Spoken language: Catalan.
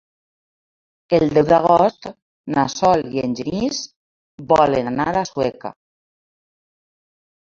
El deu d'agost na Sol i en Genís volen anar a Sueca.